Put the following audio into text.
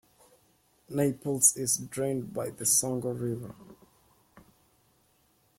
Naples is drained by the Songo River.